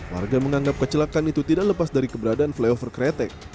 warga menganggap kecelakaan itu tidak lepas dari keberadaan flyover kretek